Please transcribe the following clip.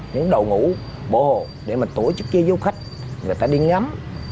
những đầu ngũ bỏ hồ để mà tổ chức cho du khách người ta đi ngắm